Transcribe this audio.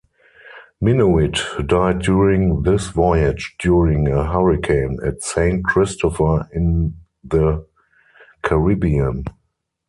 Minuit died during this voyage during a hurricane at Saint Christopher in the Caribbean.